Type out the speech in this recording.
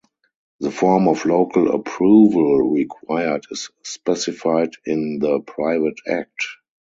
The form of local approval required is specified in the private act.